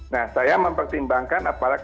nah saya mempertimbangkan